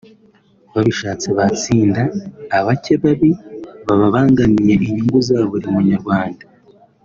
babishatse batsinda abake babi babangangamiye inyungu za buli munyarwanda